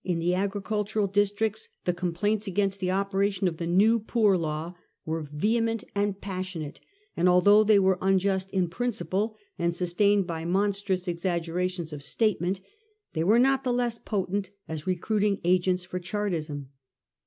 In the agricultural districts the complaints against the operation of the new Poor Law were vehement and passionate ; and although they were unjust in prin ciple and sustained by monstrous exaggerations of statement, they were not the less potent as recruiting agents for Chartism.